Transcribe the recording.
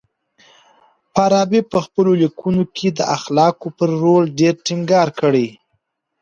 فارابي په خپلو ليکنو کي د اخلاقو پر رول ډېر ټينګار کړی.